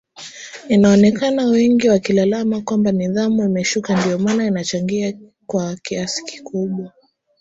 inaonekana wengi wakilalama kwamba nidhamu imeshuka ndio maana inachangia kwa kiasi kikubwa